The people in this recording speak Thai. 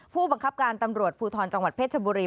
ผู้บังคับการตำรวจภูทรจังหวัดเพชรชบุรี